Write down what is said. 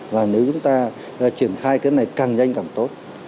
và nếu chúng ta triển khai cái này càng nhanh càng tốt